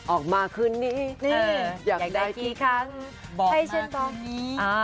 ออกมาคืนนี้อยากได้กี่ครั้งให้เช่นตอนนี้